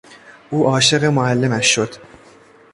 او عاشق معلمش شد.